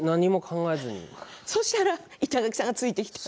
そしたら板垣さんがついてきたと。